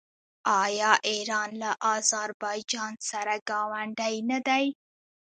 آیا ایران له اذربایجان سره ګاونډی نه دی؟